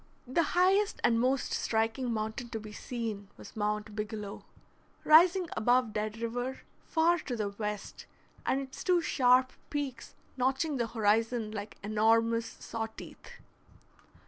The highest and most striking mountain to be seen was Mount Bigelow, rising above Dead River, far to the west, and its two sharp peaks notching the horizon like enormous saw teeth.